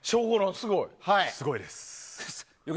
すごいです。